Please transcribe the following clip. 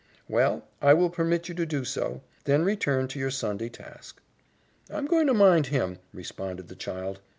"Well, I will permit you to do so. Then return to your Sunday task." "I'm goin' to mind him," responded the child.